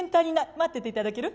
待ってていただける？